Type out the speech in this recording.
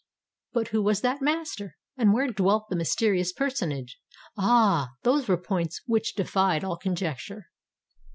But who was that master?—and where dwelt the mysterious personage? Ah! these were points which defied all conjecture.